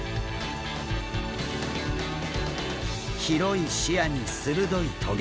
広い視野に鋭い棘。